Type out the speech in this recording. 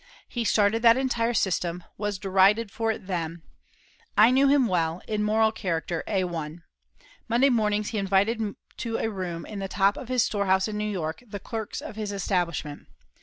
He started that entire system, was derided for it then; I knew him well, in moral character A1. Monday mornings he invited to a room in the top of his storehouse in New York the clerks of his establishment.